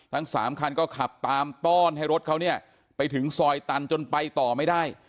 ทั้งสามคันก็ขับตามต้อนให้รถเขาเนี่ยไปถึงซอยตันจนไปต่อไม่ได้